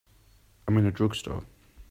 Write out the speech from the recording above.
I'm in a drugstore.